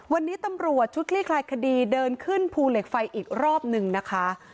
วันนี้ตำรวจชุดคลี่คลายคดีเดินขึ้นภูเหล็กไฟอีกรอบหนึ่งนะคะ